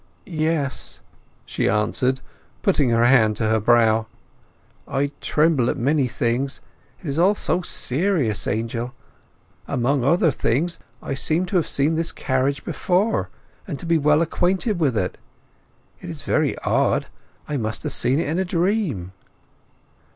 "Yes," she answered, putting her hand to her brow. "I tremble at many things. It is all so serious, Angel. Among other things I seem to have seen this carriage before, to be very well acquainted with it. It is very odd—I must have seen it in a dream."